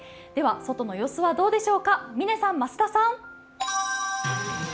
外の様子はどうでしょうか、嶺さん、増田さん。